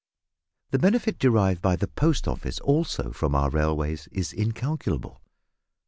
The benefit derived by the post office also from our railways is incalculable.